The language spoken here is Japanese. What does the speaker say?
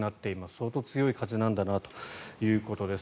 相当強い風なんだなということです。